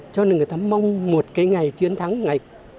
cho nên người ta mong một cái ngày chiến thắng ngày quân thủ